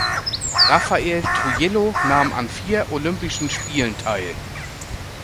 Rafael Trujillo nahm an vier Olympischen Spielen teil.